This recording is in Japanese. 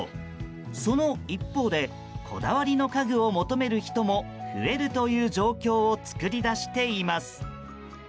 その一方で、こだわりの家具を求める人も増えるという状況を作り出しています。